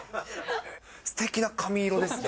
すてきな髪色ですね。